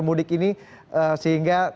kemudik ini sehingga